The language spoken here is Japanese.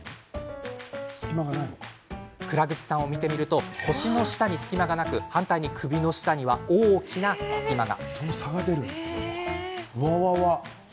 蔵口さんを見てみると腰の下に隙間がなく反対に首の下には大きな隙間が。